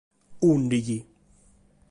Ùndighi.